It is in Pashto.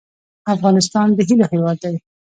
افغانستان د هیلو هیواد دی